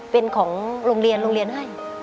เป็นของโรงเรียนให้